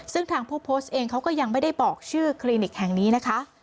ซึ่งทางผู้โพสต์เองเขาก็ยังไม่ได้บอกชื่อคลินิกแห่งนี้นะคะ